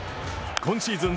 今シーズン